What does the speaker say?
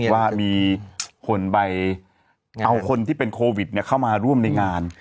ว่ามีคนไปเอาคนที่เป็นโควิดเข้ามาร่วมในงาน